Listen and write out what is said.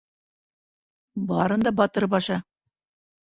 Барында батырып аша.